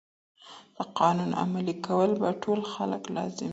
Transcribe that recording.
د قانون عملي کول په ټولو خلګو لازم دي.